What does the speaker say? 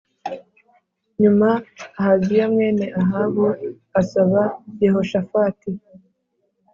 Nyuma Ahaziya mwene Ahabu asaba Yehoshafati